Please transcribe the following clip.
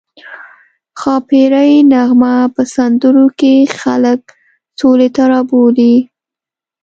ښاپیرۍ نغمه په سندرو کې خلک سولې ته رابولي